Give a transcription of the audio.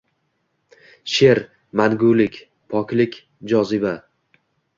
Sheʼr – mangulik, poklik, joziba.